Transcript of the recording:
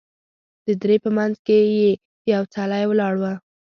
د درې په منځ کې یې یو څلی ولاړ و.